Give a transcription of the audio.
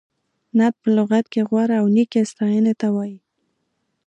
نعت په لغت کې غوره او نېکې ستایینې ته وایي.